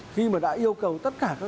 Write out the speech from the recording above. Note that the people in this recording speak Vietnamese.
khi mà đã yêu cầu tất cả các người